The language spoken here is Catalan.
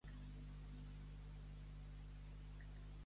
Encara si fos com dius... pecador, misericòrdia!